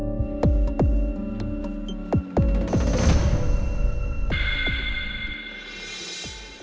ah pusing dah